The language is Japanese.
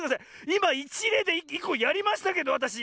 いまいちれいでいっこやりましたけどわたし。